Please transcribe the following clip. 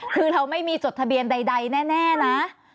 คือเราไม่มีจดทะเบียนใดแน่นะ